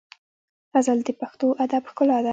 غزل د پښتو ادب ښکلا ده.